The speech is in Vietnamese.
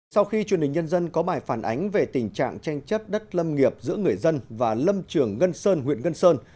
sau khi truyền hình nhân dân có bài phản ánh về tình trạng tranh chấp đất lâm nghiệp giữa người dân và lâm trường ngân sơn huyện ngân sơn